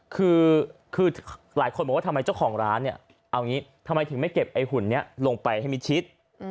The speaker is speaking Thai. คือหลายคนบอกว่าทำไมเจ้าของร้านทำไมถึงไม่เก็บหุ่นนี้ลงไปให้มีชิด